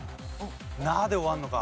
「ナ」で終わるのか。